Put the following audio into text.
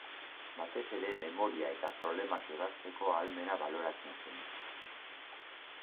Batez ere memoria eta problemak ebazteko ahalmena baloratzen zen.